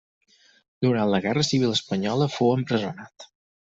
Durant la guerra civil espanyola fou empresonat.